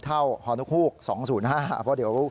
เพราะเดี๋ยว